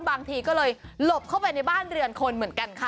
บางทีก็เลยหลบเข้าไปในบ้านเรือนคนเหมือนกันค่ะ